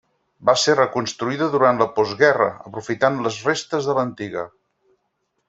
Va ser reconstruïda durant la postguerra, aprofitant les restes de l'antiga.